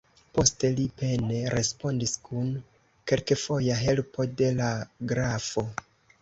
Poste li pene respondis kun kelkfoja helpo de la grafo.